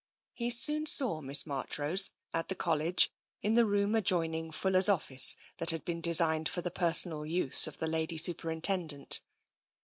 He soon saw Miss Marchrose at the College, in the room adjoining Fuller's office that had been designed for the personal use of the Lady Superintendent.